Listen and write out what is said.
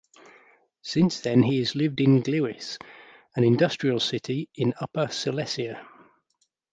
Since then he has lived in Gliwice, an industrial city in Upper Silesia.